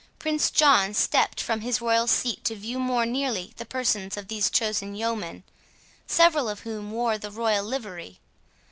Prince John stepped from his royal seat to view more nearly the persons of these chosen yeomen, several of whom wore the royal livery.